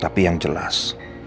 tapi yang jelas